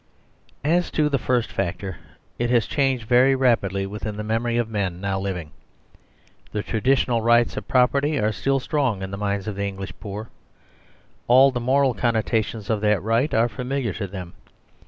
As to the first factor, it has changed very rapidly within the memory of men now living. The tradi tional rights of property are still strong in the minds of the English poor. All the moral connotations of that right are familiar to them.